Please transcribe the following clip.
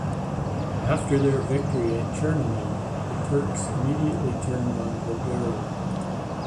After their victory at Chernomen, the Turks immediately turned on Bulgaria.